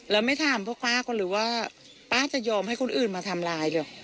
แล้วไม่ถามพวกป้าเขาหรือว่าป้าจะยอมให้คนอื่นมาทำร้ายเหรอ